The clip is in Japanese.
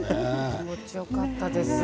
気持ちよかったです。